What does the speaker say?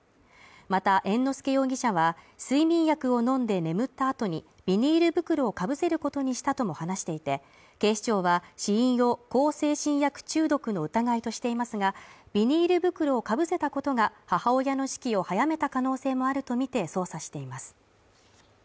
また、猿之助容疑者は睡眠薬を飲んで眠った後にビニール袋をかぶせることにしたとも話していて、警視庁は死因を向精神薬中毒の疑いとしていますが、ビニール袋をかぶせたことが母親の死期を早めた可能性もあるとみて捜査しています。